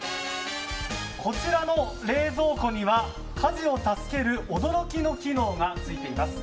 こちらの冷蔵庫には家事を助ける驚きの機能がついています。